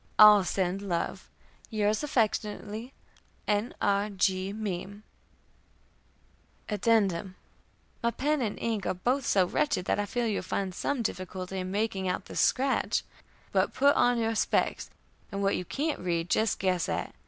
All send love. "Yours affectionately, "N. R. G. MEEM. "My pen and ink are both so wretched that I fear you will find some difficulty in making out this scratch; but put on your specks, and what you can't read, just guess at.